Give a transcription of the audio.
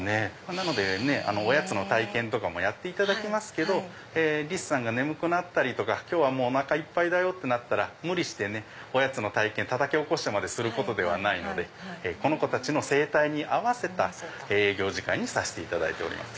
なのでおやつの体験とかもやっていただきますけどリスさんが眠くなったりおなかいっぱいってなったら無理してたたき起こしてまですることではないのでこの子たちの生態に合わせた営業時間にしております。